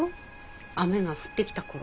雨が降ってきた頃。